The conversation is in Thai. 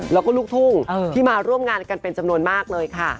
แล้วก็ลูกทุ่งที่มาร่วมงานกันเป็นจำนวนมากเลยค่ะ